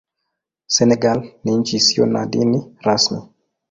Senegal ni nchi isiyo na dini rasmi.